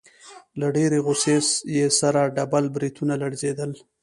له ډېرې غوسې يې سره ډبل برېتونه لړزېدل.